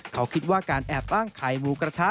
เขาคิดว่าการแอบอ้างขายหมูกระทะ